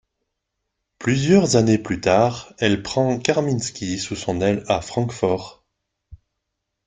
Plusieurs années plus tard, elle prend Karminski sous son aile à Francfort.